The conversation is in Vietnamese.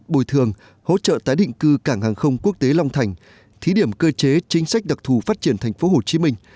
bồi thường hỗ trợ tái định cư cảng hàng không quốc tế long thành thí điểm cơ chế chính sách đặc thù phát triển thành phố hồ chí minh